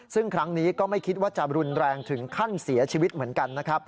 ซึ่งครั้งนี้ก็ไม่คิดว่าจะรุนแรงถึงขั้นเสียชีวิตเหมือนกันนะครับ